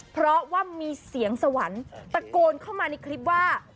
เพราะว่ามีเสียงสวรรค์ตะโกนเข้ามาในคลิปว่า